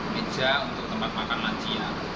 meja untuk tempat makan lansia